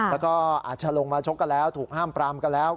แล้วก็อาจจะลงมาชกกันแล้วถูกห้ามปรามกันแล้ว